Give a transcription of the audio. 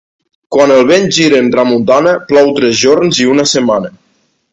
Quan el vent gira en tramuntana, plou tres jorns i una setmana.